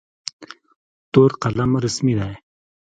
تور قلم رسمي دی.